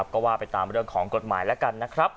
ก็ว่าไปตามเรื่องของกฎหมายแล้วกันนะครับ